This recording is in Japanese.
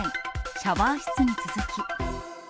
シャワー室に続き。